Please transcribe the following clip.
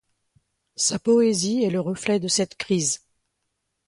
Sa poésie est le reflet de cette crise.